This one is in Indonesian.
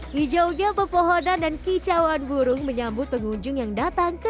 hijau gel pepohonan dan kicauan burung menyambut pengunjung yang datang ke